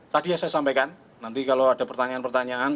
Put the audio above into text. tadi yang saya sampaikan nanti kalau ada pertanyaan pertanyaan